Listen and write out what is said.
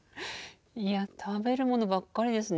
いや食べるものばっかりですね